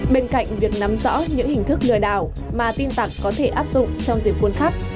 bên cạnh việc nắm rõ những hình thức lừa đảo mà tin tặng có thể áp dụng trong diễn cuốn khắc